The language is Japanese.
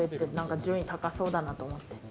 順位高そうだなと思って。